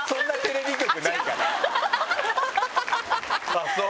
あっそう！